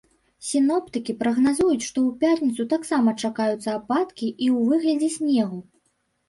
Сіноптыкі прагназуюць, што ў пятніцу таксама чакаюцца ападкі ў выглядзе снегу.